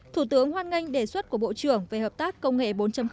thủ tướng hoan nghênh đề xuất của bộ trưởng về hợp tác công nghệ bốn